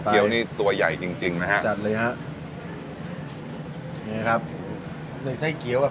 เกี๊ยวนี่ตัวใหญ่จริงจริงนะฮะจัดเลยฮะเนี้ยครับในไส้เกี๊ยวแบบ